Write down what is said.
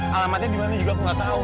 alamatnya dimana juga aku nggak tahu